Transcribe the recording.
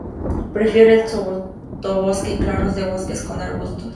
Prefiere el sotobosque y claros de bosques con arbustos.